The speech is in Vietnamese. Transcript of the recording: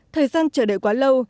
thời gian chờ đợi quá lâu